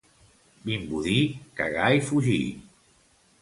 Vimbodí, cagar i fugir.